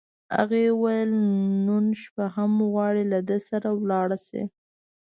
هغې وویل: نن شپه هم غواړې، له ده سره ولاړه شې؟